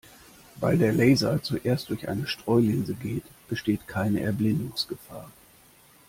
Weil der Laser zuerst durch eine Streulinse geht, besteht keine Erblindungsgefahr.